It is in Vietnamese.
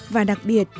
và đặc biệt